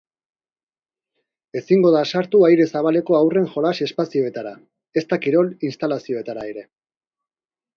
Ezingo da sartu aire zabaleko haurren jolas-espazioetara, ezta kirol-instalazioetara ere.